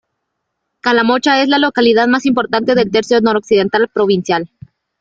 Calamocha es la localidad más importante del tercio noroccidental provincial.